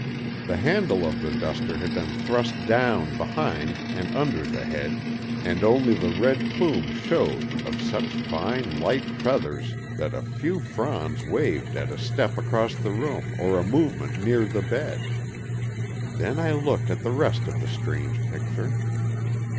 The handle of the duster had been thrust down behind and under the head, and only the red plume showed, of such fine, light feathers that a few fronds waved at a step across the room or a movement near the bed. Then I looked at the rest of the strange picture.